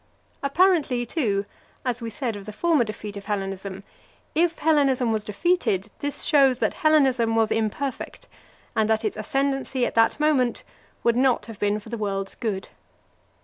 Apparently, too, as we said of the former defeat of Hellenism, if Hellenism was defeated, this shows that Hellenism was imperfect, and that its ascendency at that moment would not have been for the world's good.